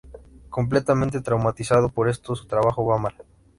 Completamente traumatizado por esto, su trabajo va mal.